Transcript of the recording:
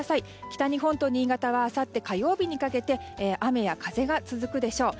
北日本と新潟はあさって火曜日にかけて雨や風が続くでしょう。